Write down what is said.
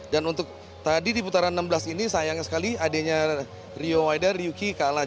dan untuk tadi di putaran enam belas ini sayang sekali adeknya rio waida ryuki kalah